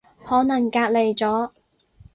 可能隔離咗